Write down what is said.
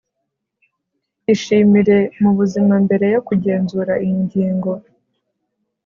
ishimire mubuzima mbere yo kugenzura iyi ngingo